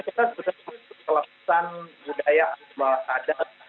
kita sudah memiliki kelepasan budaya bahasa ada